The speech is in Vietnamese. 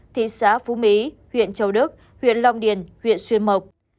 thị xã phú mỹ huyện châu đức huyện long điền huyện xuyên mộc